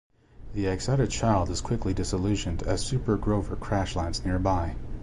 The excited child is quickly disillusioned as Super Grover crash-lands nearby.